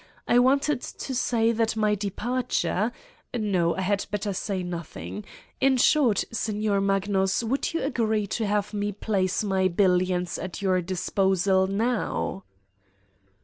I wanted to say that my departure ... no, I had better say nothing. In 130 Satan's Diary short, Signer Magnus: would you agree to have me place my billions at your disposal now?"